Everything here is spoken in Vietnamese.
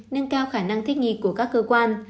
nâng cao khả năng thích nghi của các cơ quan